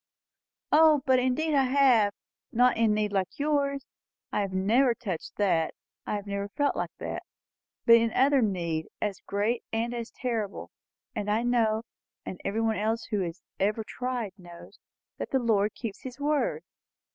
"O, but indeed I have. Not in need like yours I have never touched that I never felt like that; but in other need, as great and as terrible. And I know, and everybody else who has ever tried knows, that the Lord keeps his word."